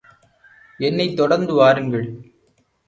என்னைத் தொடர்ந்து வாருங்கள்.